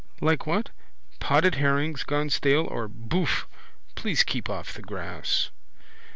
Like what? Potted herrings gone stale or. Boof! Please keep off the grass.